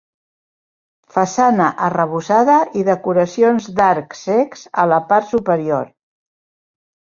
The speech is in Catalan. Façana arrebossada i decoracions d'arcs cecs a la part superior.